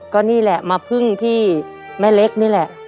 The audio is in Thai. ก็นี่แหละมาพึ่งที่แม่เล็กนี่แหละ